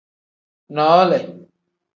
Noole.